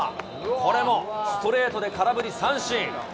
これもストレートで空振り三振。